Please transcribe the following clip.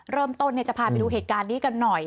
เริ่มต้นจะพาไปดูเหตุการณ์นี้กันหน่อย